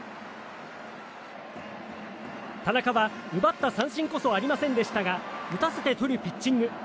田中は奪った三振こそありませんでしたが打たせてとるピッチング。